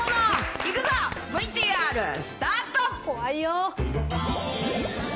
いくぞ、ＶＴＲスタート。